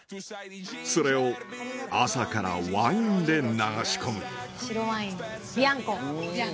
それを朝からワインで流し込む白ワイン。